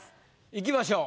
いきましょう。